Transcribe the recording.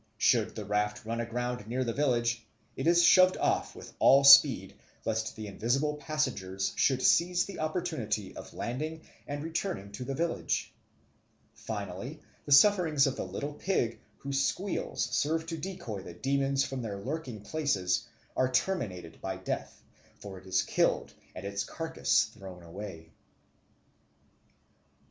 Should the raft run aground near the village, it is shoved off with all speed, lest the invisible passengers should seize the opportunity of landing and returning to the village. Finally, the sufferings of the little pig, whose squeals served to decoy the demons from their lurking places, are terminated by death, for it is killed and its carcase thrown away.